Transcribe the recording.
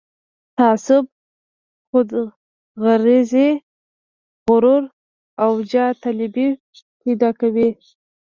تعصب، خودغرضي، غرور او جاه طلبي پيدا کوي.